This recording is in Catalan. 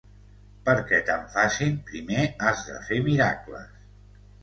Perquè te'n facin, primer has de fer miracles.